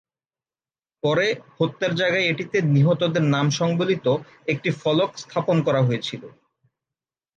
পরে হত্যার জায়গায় এটিতে নিহতদের নাম সংবলিত একটি ফলক স্থাপন করা হয়েছিল।